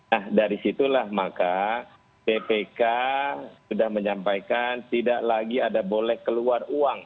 nah dari situlah maka bpk sudah menyampaikan tidak lagi ada boleh keluar uang